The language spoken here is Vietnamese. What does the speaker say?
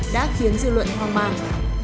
đã khiến dư luận hoang mang